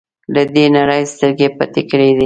له دې نړۍ سترګې پټې کړې.